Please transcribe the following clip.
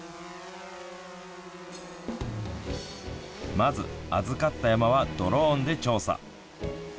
まず、預かった山はドローンで調査。